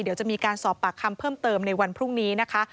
เดี๋ยวจะมีการสอบปากคำเพิ่มเติมในวันพรุ่งนี้นะคะ